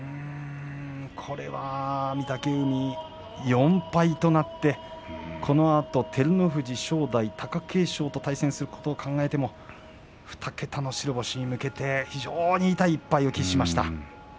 これは御嶽海４敗となってこのあと、照ノ富士、正代貴景勝と対戦することを考えると２桁の白星に向けて非常に痛い１敗を喫しました。